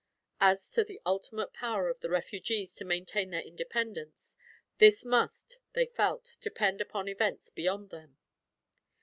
As to the ultimate power of the refugees to maintain their independence, this must, they felt, depend upon events beyond them.